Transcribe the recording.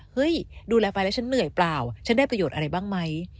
ดูแลแฟนแล้วฉันเหนื่อยเปล่าฉันได้ประโยชน์อะไรบ้างไหม